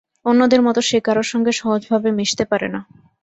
অন্যদের মতো সে কারো সঙ্গে সহজভাবে মিশতে পারে না।